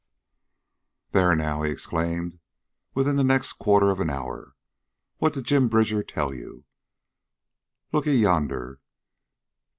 "Thar now!" he exclaimed within the next quarter of an hour. "What did Jim Bridger tell ye? Lookee yonder!